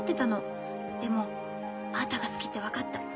でもアータが好きって分かった。